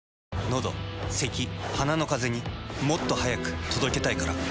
のどせき鼻のカゼにもっと速く届けたいから。